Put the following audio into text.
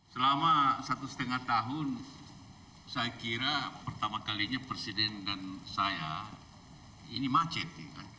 selama satu setengah tahun saya kira pertama kalinya presiden dan saya ini macet